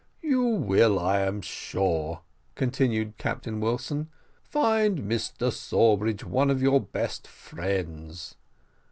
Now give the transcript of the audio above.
"You will, I am sure," continued Captain Wilson, "find Mr Sawbridge one of your best friends."